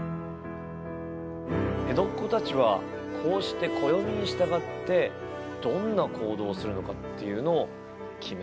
江戸っ子たちはこうして暦に従ってどんな行動をするのかっていうのを決めていたんですね。